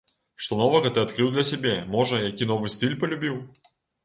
Што новага ты адкрыў для сябе, можа, які новы стыль палюбіў?